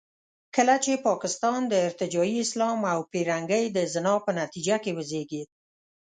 کله چې پاکستان د ارتجاعي اسلام او پیرنګۍ د زنا په نتیجه کې وزېږېد.